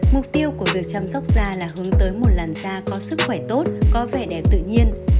mục tiêu của việc chăm sóc da là hướng tới một làn da có sức khỏe tốt có vẻ đẹp tự nhiên